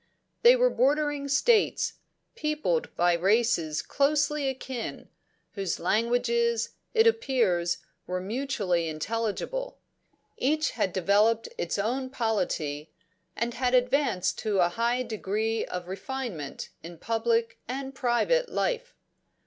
"'They were bordering states, peopled by races closely akin, whose languages, it appears, were mutually intelligible; each had developed its own polity, and had advanced to a high degree of refinement in public and private life.